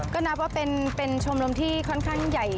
ก็นับว่าเป็นชมรมที่ค่อนข้างใหญ่